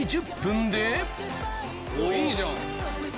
おっいいじゃん。